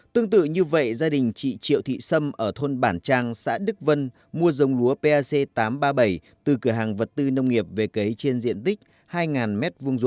tương tự như vậy gia đình chị triệu thị sâm ở thôn bản trang xã đức vân mua giống lúa pac tám trăm ba mươi bảy từ cửa hàng vật tư nông nghiệp về cấy trên diện tích hai m hai